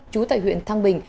chú tại huyện thăng bình